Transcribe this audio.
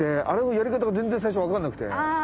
あのやり方が全然最初分かんなくて。